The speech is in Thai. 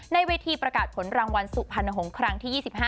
ในเวทีประกาศผลรางวัลสุพรรณหงษ์ครั้งที่๒๕